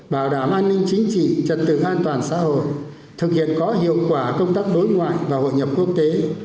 bảo đảm an ninh chính trị trật tự an toàn xã hội thực hiện có hiệu quả công tác đối ngoại và hội nhập quốc tế